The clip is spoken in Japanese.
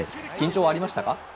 緊張はありましたか？